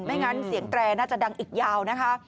งั้นเสียงแตรน่าจะดังอีกยาวนะคะ